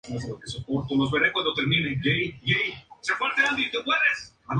Sin embargo, numerosas voces se alzaban para solicitar la protección del bosque.